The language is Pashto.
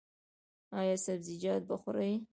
ایا سبزیجات به خورئ؟